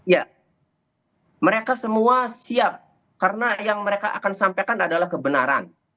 ya mereka semua siap karena yang mereka akan sampaikan adalah kebenaran